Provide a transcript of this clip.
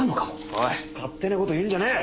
おい勝手なこと言うんじゃねえ！